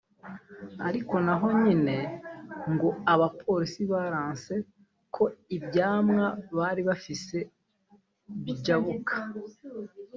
ariko na ho nyene ngo abapolisi baranse ko ivyamwa bari bafise bijabuka